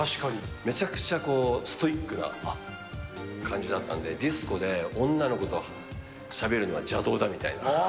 めちゃくちゃストイックな感じだったので、ディスコで女の子としゃべるのは邪道だみたいな。